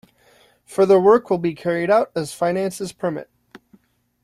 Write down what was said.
Further work will be carried out as finances permit.